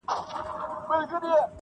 • پر اغزنه زخمي لاره چي رانه سې -